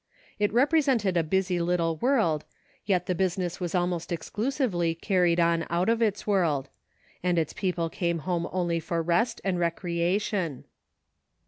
It represented a busy little world, yet the business was almost exclusively carried on out of its world ; and its people came home only for rest and recreation.